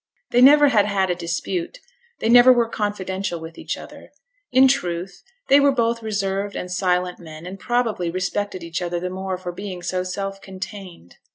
They never had had a dispute, they never were confidential with each other; in truth, they were both reserved and silent men, and, probably, respected each other the more for being so self contained.